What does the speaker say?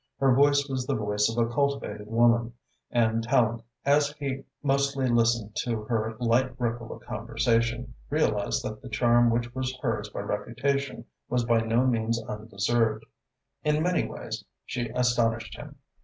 Her voice was the voice of a cultivated woman, and Tallente, as he mostly listened to her light ripple of conversation, realised that the charm which was hers by reputation was by no means undeserved. In many ways she astonished him.